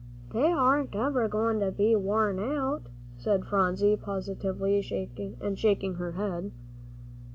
"They aren't ever going to be worn out," said Phronsie, positively, and shaking her head.